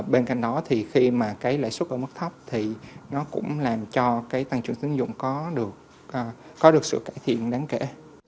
bên cạnh đó thì khi mà cái lãi suất ở mức thấp thì nó cũng làm cho cái tăng trưởng tín dụng có được sự cải thiện đáng kể